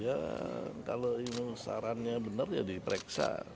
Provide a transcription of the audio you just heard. ya kalau ini sarannya benar ya diperiksa